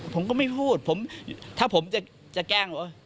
ผมก็ไม่พูดผมถ้าผมจะแกล้ง